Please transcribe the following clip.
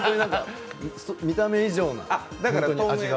見た目以上の味が。